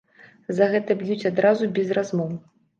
За гэта б'юць адразу, без размоў.